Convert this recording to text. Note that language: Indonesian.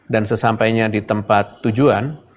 dan sesampainya di tempat tujuan